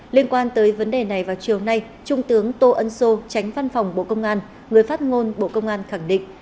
liên quan tới vấn đề này vào chiều nay trung tướng tô ân sô tránh văn phòng bộ công an người phát ngôn bộ công an khẳng định